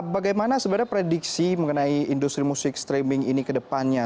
bagaimana sebenarnya prediksi mengenai industri musik streaming ini ke depannya